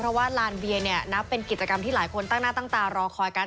เพราะว่าลานเบียเนี่ยนับเป็นกิจกรรมที่หลายคนตั้งหน้าตั้งตารอคอยกัน